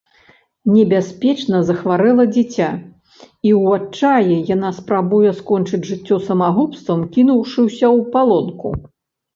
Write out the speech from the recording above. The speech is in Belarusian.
Небяспечна захварэла дзіця, і ў адчаі яна спрабуе скончыць жыццё самагубствам, кінуўшыся ў палонку.